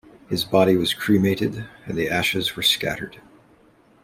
His body was cremated and the ashes were scattered.